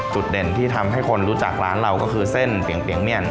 จุดเด่นที่ทำให้คนรู้จักร้านเราก็คือเส้นเปียงเมียน